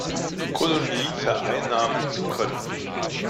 Kolonie vereinnahmen zu können.